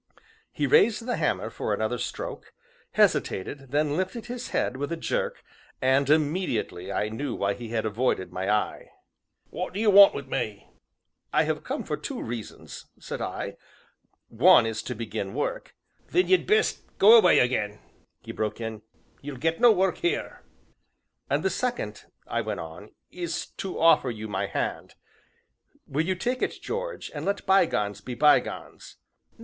He raised the hammer for another stroke, hesitated, then lifted his head with a jerk, and immediately I knew why he had avoided my eye. "What do 'ee want wi' me?" "I have come for two reasons," said I; "one is to begin work " "Then ye'd best go away again," he broke in; "ye'll get no work here." "And the second," I went on, "is to offer you my hand. Will you take it, George, and let bygones be bygones?"